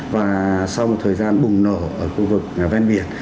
và sau một thời gian bùng nổ ở khu vực ven biển